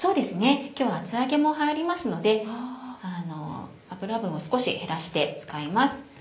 今日は厚揚げも入りますので脂分を少し減らして使います。